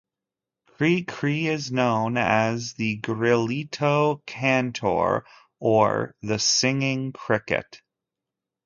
Cri-Cri is known as the "grillito cantor" or "the singing cricket".